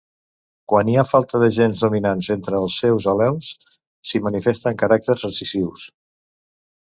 Quan hi ha falta de gens dominants entre els seus al·lels, s'hi manifesten caràcters recessius.